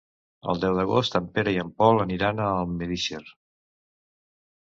El deu d'agost en Pere i en Pol aniran a Almedíxer.